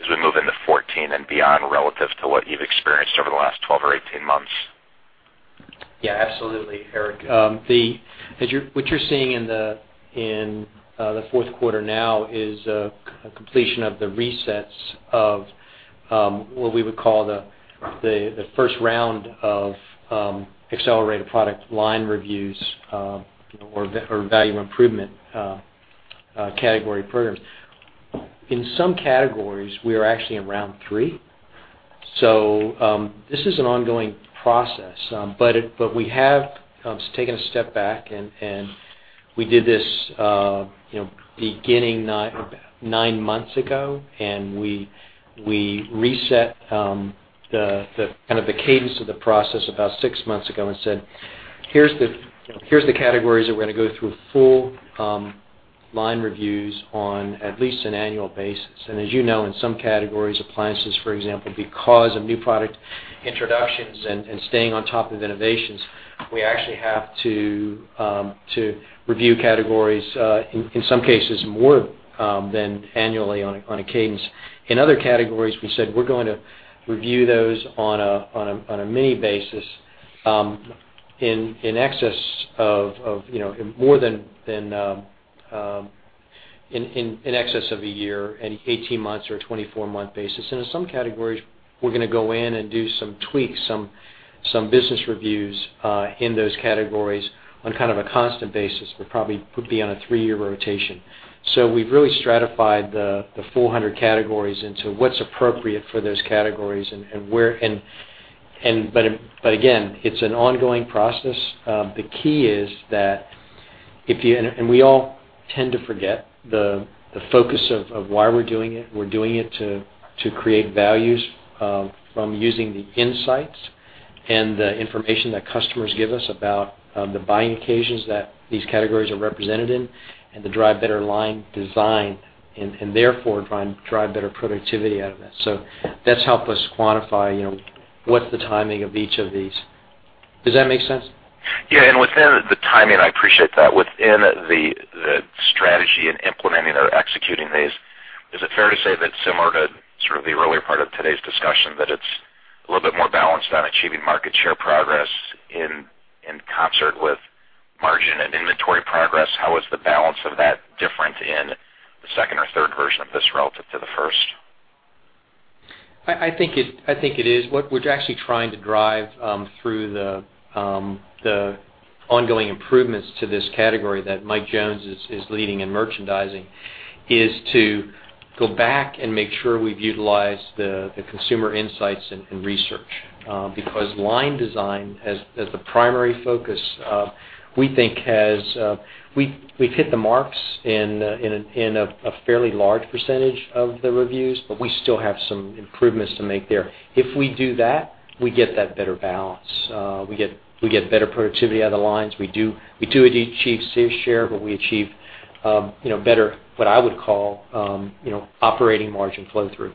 as we move into 2014 and beyond relative to what you've experienced over the last 12 or 18 months. Yeah, absolutely, Eric. What you're seeing in the fourth quarter now is a completion of the resets of what we would call the first round of accelerated product line reviews, or value improvement category programs. In some categories, we are actually in round 3. This is an ongoing process, but we have taken a step back, and we did this beginning nine months ago, and we reset the cadence of the process about six months ago and said, "Here's the categories that we're going to go through full line reviews on at least an annual basis." As you know, in some categories, appliances, for example, because of new product introductions and staying on top of innovations, we actually have to review categories, in some cases, more than annually on a cadence. In other categories, we said we're going to review those on a mini basis in excess of a year, an 18 months or 24-month basis. In some categories, we're going to go in and do some tweaks, some business reviews in those categories on a constant basis, but probably would be on a three-year rotation. We've really stratified the 400 categories into what's appropriate for those categories. Again, it's an ongoing process. The key is that, and we all tend to forget the focus of why we're doing it. We're doing it to create values from using the insights and the information that customers give us about the buying occasions that these categories are represented in and to drive better line design and therefore drive better productivity out of that. That's helped us quantify what the timing of each of these. Does that make sense? Yeah. Within the timing, I appreciate that. Within the strategy in implementing or executing these, is it fair to say that similar to sort of the earlier part of today's discussion, that it's a little bit more balanced on achieving market share progress in concert with margin and inventory progress? How is the balance of that different in the second or third version of this relative to the first? I think it is. What we're actually trying to drive through the Ongoing improvements to this category that Mike Jones is leading in merchandising, is to go back and make sure we've utilized the consumer insights and research. Line design, as the primary focus, we think we've hit the marks in a fairly large percentage of the reviews, we still have some improvements to make there. If we do that, we get that better balance. We get better productivity out of the lines. We do achieve [safe share], we achieve better, what I would call, operating margin flow-through.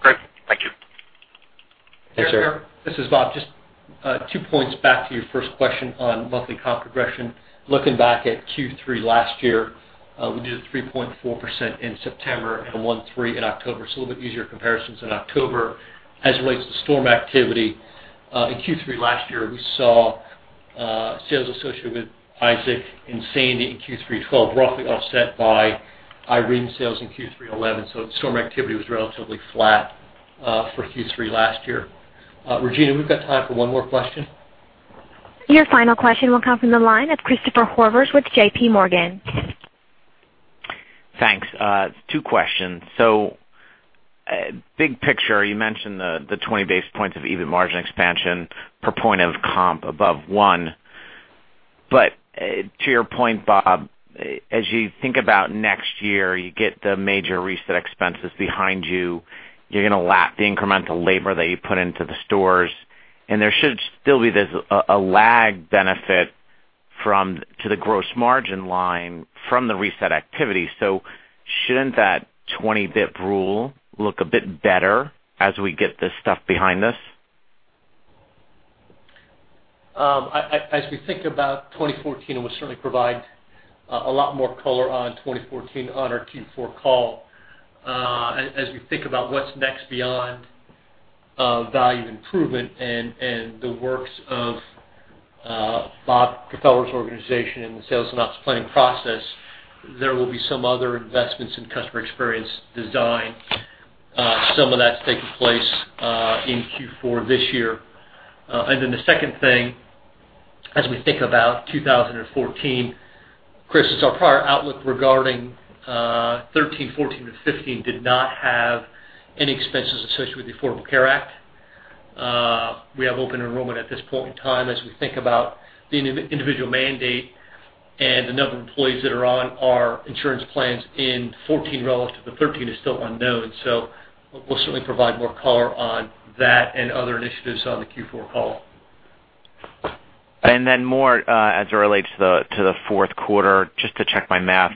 Great. Thank you. Yes, sir. This is Bob. Just two points back to your first question on monthly comp progression. Looking back at Q3 last year, we did a 3.4% in September and a 1.3% in October, a little bit easier comparisons in October. As it relates to storm activity, in Q3 last year, we saw sales associated with Isaac and Sandy in Q3 2012, roughly offset by Irene sales in Q3 2011. Storm activity was relatively flat for Q3 last year. Regina, we've got time for one more question. Your final question will come from the line of Christopher Horvers with J.P. Morgan. Thanks. Two questions. Big picture, you mentioned the 20 basis points of EBIT margin expansion per point of comp above one. To your point, Bob, as you think about next year, you get the major reset expenses behind you're going to lap the incremental labor that you put into the stores, and there should still be a lag benefit to the gross margin line from the reset activity. Shouldn't that 20 BP rule look a bit better as we get this stuff behind us? As we think about 2014, we'll certainly provide a lot more color on 2014 on our Q4 call. As we think about what's next beyond value improvement and the works of Bob Gfeller's organization and the sales and ops planning process, there will be some other investments in customer experience design. Some of that's taking place in Q4 this year. The second thing, as we think about 2014, Chris, is our prior outlook regarding 2013, 2014, and 2015 did not have any expenses associated with the Affordable Care Act. We have open enrollment at this point in time as we think about the individual mandate and the number of employees that are on our insurance plans in 2014 relative to 2013 is still unknown. We'll certainly provide more color on that and other initiatives on the Q4 call. More as it relates to the fourth quarter, just to check my math,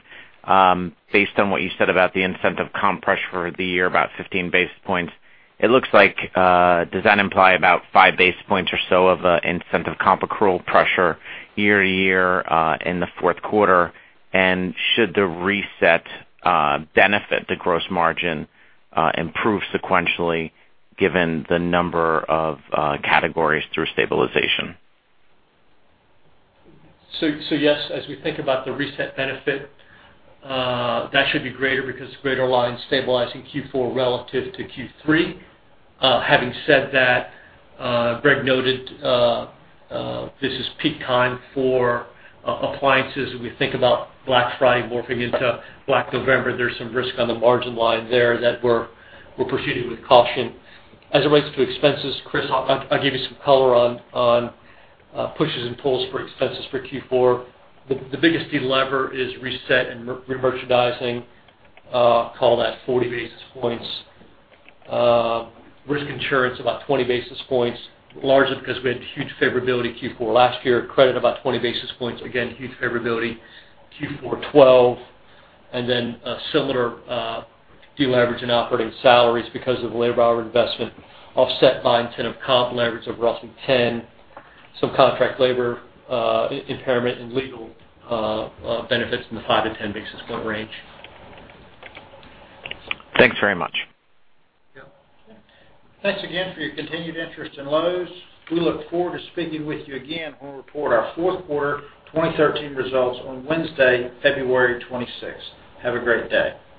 based on what you said about the incentive comp pressure for the year, about 15 basis points, it looks like, does that imply about five basis points or so of incentive comp accrual pressure year-over-year in the fourth quarter? Should the reset benefit the gross margin improve sequentially given the number of categories through stabilization? Yes, as we think about the reset benefit, that should be greater because greater lines stabilizing Q4 relative to Q3. Having said that, Greg noted this is peak time for appliances. We think about Black Friday morphing into Black November. There's some risk on the margin line there that we're proceeding with caution. As it relates to expenses, Chris, I'll give you some color on pushes and pulls for expenses for Q4. The biggest delever is reset and remerchandising. Call that 40 basis points. Risk insurance about 20 basis points, largely because we had huge favorability Q4 last year. Credit about 20 basis points. Again, huge favorability Q4 2012. A similar deleverage in operating salaries because of the labor hour investment offset by incentive comp leverage of roughly 10. Some contract labor impairment and legal benefits in the 5-10 basis point range. Thanks very much. Yep. Thanks again for your continued interest in Lowe's. We look forward to speaking with you again when we report our fourth quarter 2013 results on Wednesday, February 26th. Have a great day.